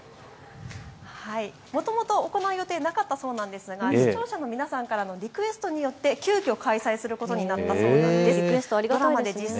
もともと行う予定はなかったそうですが視聴者の皆さんからのリクエストによって急きょ、開催することになったそうです。